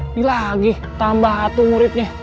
ini lagi tambah atuh nguritnya